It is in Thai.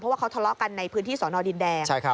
ว่าเขาทะเลาะกันในพื้นที่สอนอดินแดง